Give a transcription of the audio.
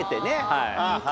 はい。